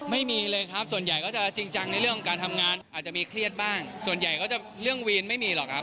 ไม่มีเลยครับส่วนใหญ่ก็จะจริงจังในเรื่องการทำงานอาจจะมีเครียดบ้างส่วนใหญ่ก็จะเรื่องวีนไม่มีหรอกครับ